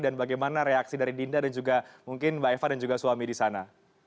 dan bagaimana reaksi dari dinda dan juga mungkin mbak eva dan juga suami di sana